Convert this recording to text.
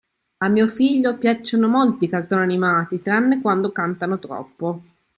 A mio figlio piacciono molto i cartoni animati, tranne quando cantano troppo.